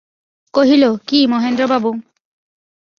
কহিল, কী, মহেন্দ্রবাবু।